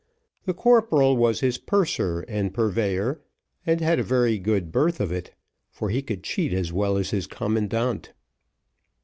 The corporal was his purser and purveyor, and had a very good berth of it, for he could cheat as well as his commandant.